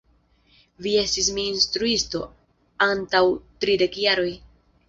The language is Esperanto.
Vi estis mia instruisto, antaŭ tridek jaroj!